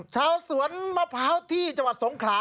ชาวสวนมะพร้าวที่จังหวัดสงขลา